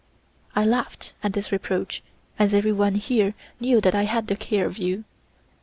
I laughed at this reproach, as everyone here knew that I had the care of you.